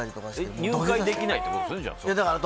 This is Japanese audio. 入会できないってことですか。